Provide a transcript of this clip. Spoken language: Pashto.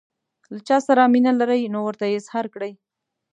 له چا سره مینه لرئ نو ورته یې اظهار کړئ.